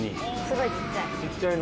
すごいちっちゃい。